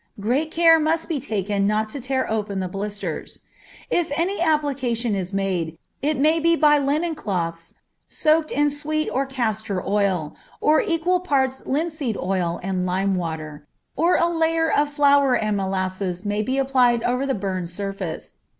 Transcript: Great care must be taken not to tear open the blisters. If any application is made, it may be by linen cloths soaked in sweet or castor oil, or equal parts of linseed oil and lime water, or a layer of flour and molasses may be applied over the burned surface.